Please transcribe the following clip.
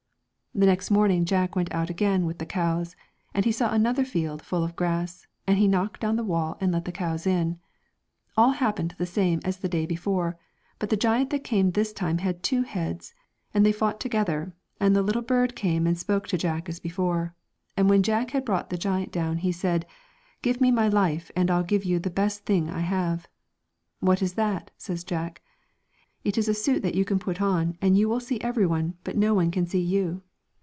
The next morning Jack went out again with the cows, and he saw another field full of grass, and he knocked down the wall and let the cows in. All happened the same as the day before, but the giant that came this time had two heads, and they fought together, and the little bird came and spoke to Jack as before. And when Jack had brought the giant down, he said, 1 Give me my life, and I'll give you the best thing I have.' ' What is that ?' says Jack. 'It's a suit that you can put on, and you will see every one but no one can see you.'